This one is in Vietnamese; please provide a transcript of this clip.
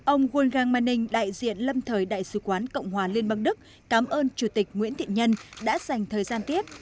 ông won maning đại diện lâm thời đại sứ quán cộng hòa liên bang đức cảm ơn chủ tịch nguyễn thiện nhân đã dành thời gian tiếp